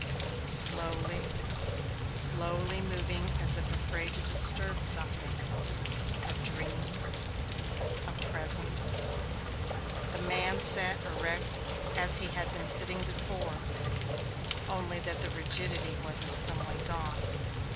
Slowly, slowly, moving as if afraid to disturb something a dream a presence the man sat erect as he had been sitting before, only that the rigidity was in some way gone.